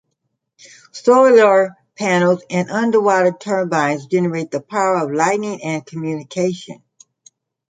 Solar panels and underwater turbines generate the power for lighting and communication.